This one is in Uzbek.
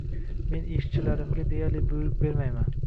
Men ishchilarimga deyarli buyruq bermayman